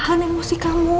bahan emosi kamu